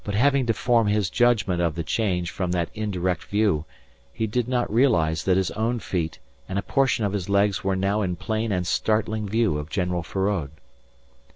But having to form his judgment of the change from that indirect view, he did not realise that his own feet and a portion of his legs were now in plain and startling view of General Feraud.